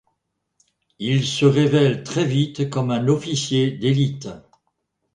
Il se révèle très vite comme un officier d’élite.